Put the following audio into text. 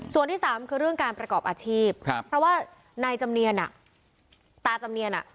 ส่วนที่สามคือเรื่องการประกอบอาชีพครับเพราะว่านายจำเนียนอ่ะตาจำเนียนอ่ะ